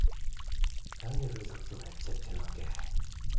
なんで風俗とかやっちゃってるわけ？